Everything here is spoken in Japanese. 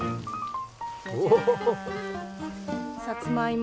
さつまいも！